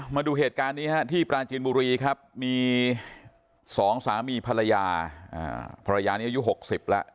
มาดูเหตุการณ์นี้ที่ปราจีนบุรีครับมี๒สามีภรรยาภรรยานี้อายุ๖๐แล้ว